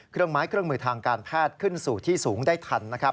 เครื่องไม้เครื่องมือทางการแพทย์ขึ้นสู่ที่สูงได้ทัน